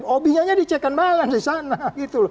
obi nya di check and balance disana gitu